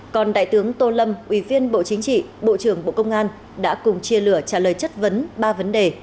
còn đại tướng tô lâm ủy viên bộ chính trị bộ trưởng bộ công an đã cùng chia lửa trả lời chất vấn ba vấn đề